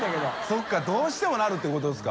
修Δどうしてもなるってことですか？